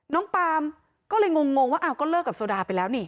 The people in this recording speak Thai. น้องปามก็เลยงงว่าก็เลิกกับโซดาไปแล้วนี่